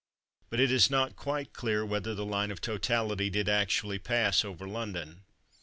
but it is not quite clear whether the line of totality did actually pass over London.